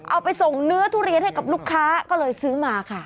เอาไปส่งเนื้อทุเรียนให้กับลูกค้าก็เลยซื้อมาค่ะ